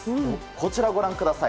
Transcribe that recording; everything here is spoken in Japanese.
こちらをご覧ください。